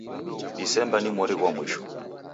Disemba ni mori ghwa mwisho.